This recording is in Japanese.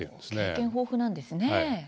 経験豊富なんですね。